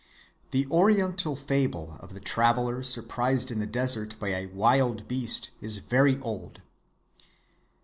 "The oriental fable of the traveler surprised in the desert by a wild beast is very old.